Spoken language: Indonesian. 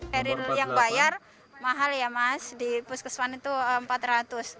steril yang bayar mahal ya mas di puskesman itu rp empat ratus